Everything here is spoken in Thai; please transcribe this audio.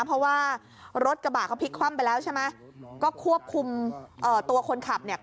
เพราะว่ารถกระบะเขาพลิกคว่ำไปแล้วใช่ไหมก็ควบคุมเอ่อตัวคนขับเนี่ย